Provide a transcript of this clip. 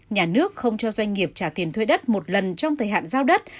nhà nước không cho doanh nghiệp trả tiền thuê đất một lần trong thời hạn giao đất